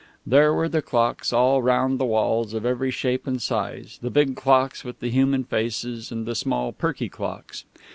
There were the clocks, all round the walls, of every shape and size, the big clocks with the human faces and the small, perky clocks.